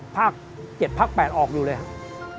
ภาค๗ภาค๘ออกอยู่เลยครับ